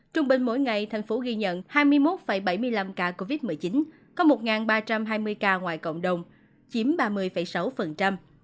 trung bình mỗi ngày thành phố ghi nhận hai mươi một bảy mươi năm ca covid một mươi chín có một ba trăm hai mươi ca ngoài cộng đồng chiếm ba mươi sáu